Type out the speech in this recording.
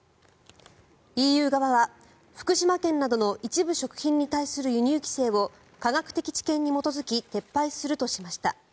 ＥＵ側は福島県などの一部食品対する輸入規制を科学的知見に基づき撤廃するとしました。